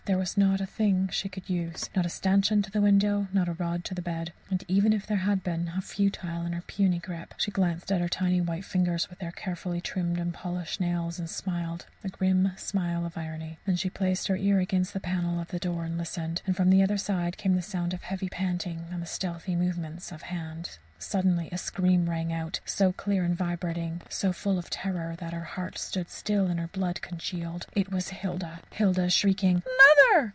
There was not a thing she could use not a stanchion to the window, not a rod to the bed. And even if there had been, how futile in her puny grip! She glanced at her tiny white fingers with their carefully trimmed and polished nails, and smiled a grim smile of irony. Then she placed her ear against the panels of the door and listened and from the other side came the sound of heavy panting and the stealthy movement of hands. Suddenly a scream rang out, so clear and vibrating, so full of terror, that her heart stood still and her blood congealed. It was Hilda! Hilda shrieking "Mother!"